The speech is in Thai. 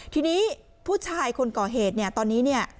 ทีนี้ผู้ชายคนก่อเหตุเนี่ยตอนนี้เนี่ย